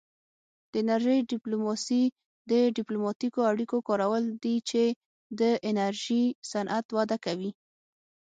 د انرژۍ ډیپلوماسي د ډیپلوماتیکو اړیکو کارول دي چې د انرژي صنعت وده کوي